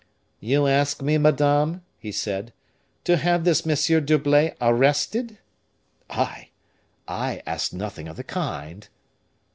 "You ask me, madame," he said, "to have this M. d'Herblay arrested?" "I? I ask you nothing of the kind!"